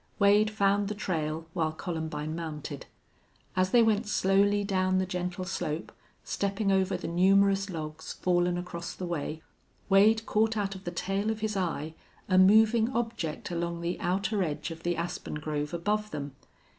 Wade found the trail while Columbine mounted. As they went slowly down the gentle slope, stepping over the numerous logs fallen across the way, Wade caught out of the tail of his eye a moving object along the outer edge of the aspen grove above them.